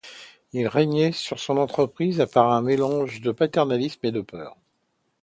Il régnait sur son entreprise par un mélange de paternalisme et de peur.